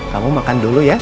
kamu makan dulu ya